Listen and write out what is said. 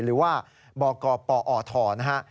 หรือว่าบกปอทนะฮะ